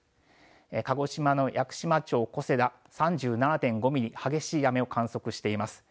鹿児島の屋久島町小瀬田、３７．５ミリ、激しい雨を観測しています。